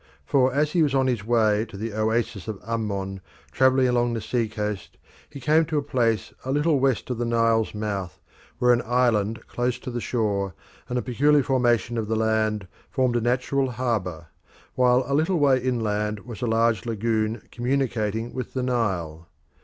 For as he was on his way to the oasis of Ammon, travelling along the sea coast, he came to a place a little west of the Nile's mouth where an island close to the shore, and the peculiar formation of the land, formed a natural harbour, while a little way inland was a large lagoon communicating with the Nile.